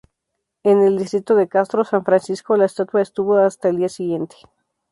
En el Distrito de Castro, San Francisco la estatua estuvo hasta el día siguiente.